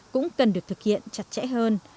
cũng cần được thực hiện chặt chẽ hơn